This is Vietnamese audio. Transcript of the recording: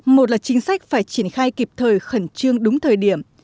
một là chính sách phải triển khai kịp thời khẩn trương đúng thời điểm